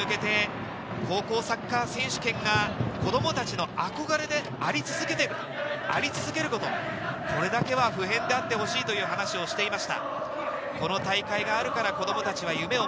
次の１００年に向けて、高校サッカー選手権が子供たちの憧れであり続けること、これだけは不変であってほしいという話をしていました。